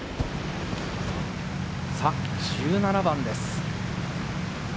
さぁ１７番です。